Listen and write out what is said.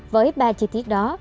với ba chi tiết đó